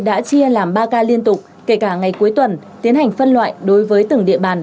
đã chia làm ba k liên tục kể cả ngày cuối tuần tiến hành phân loại đối với từng địa bàn